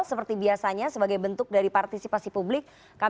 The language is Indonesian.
seperti biasanya sebagai bentuk dari partisipasi publik